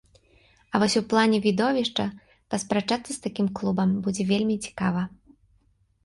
А вось у плане відовішча паспрачацца з такім клубам будзе вельмі цікава.